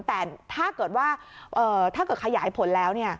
แต่ถ้าเกิดว่าถ้าเกิดขยายผลแล้ว